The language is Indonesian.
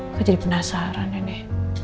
aku jadi penasaran ya nih